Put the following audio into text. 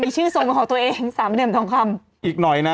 พี่จริงภาคนไม่มีปัญหา